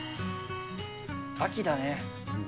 秋だね。